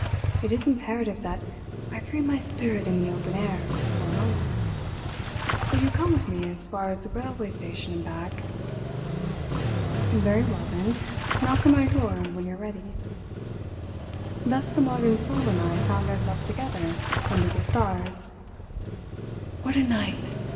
It is imperative that I free my spirit in the open air for a moment. Would you come with me as far as the railway station and back?" "Very well, then, knock on my door when you're ready." Thus the modern soul and I found ourselves together under the stars. "What a night!"